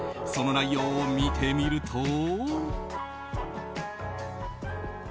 その内容を見てみると。